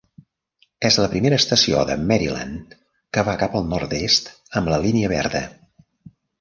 És la primera estació de Maryland que va cap al nord-est amb la línia verda.